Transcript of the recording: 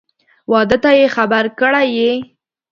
واده ته یې خبر کړی یې؟